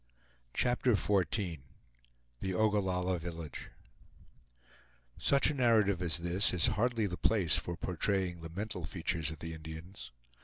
CHAPTER XIV THE OGALLALLA VILLAGE Such a narrative as this is hardly the place for portraying the mental features of the Indians.